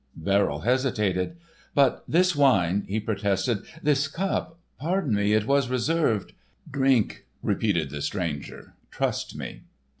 Verrill hesitated: "But this wine," he protested: "This cup—pardon me, it was reserved—" "Drink," repeated the stranger. "Trust me."